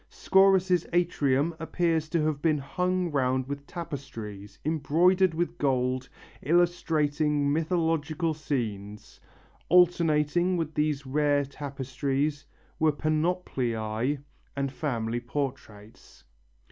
Scaurus' atrium appears to have been hung round with tapestries, embroidered with gold, illustrating mythological scenes. Alternating with these rare tapestries were panopliæ and family portraits.